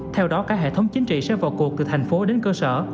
theo đó cả hệ thống chính trị sẽ vào cuộc từ thành phố đến cơ sở